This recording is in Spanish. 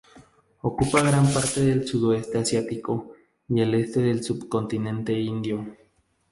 Ocupa gran parte del sudeste asiático y el este del subcontinente indio.